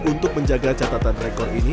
untuk menjaga catatan rekor ini